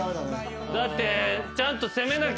だって。